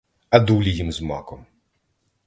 А дулі їм з маком!